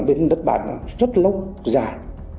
bên nước bản rất lâu dài